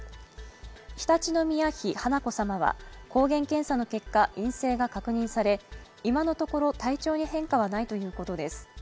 常陸宮妃華子さまは抗原検査の結果、陰性が確認され今のところ、体調に変化はないということです。